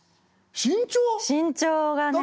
身長がね。